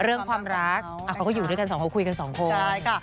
เรื่องความรักเขาก็อยู่ด้วยกันสองเขาคุยกันสองคน